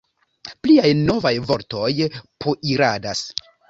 Pliaj novaj vortoj poiradas!